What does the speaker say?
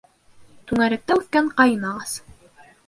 Туңәрәктә уҫкән ҡайын ағас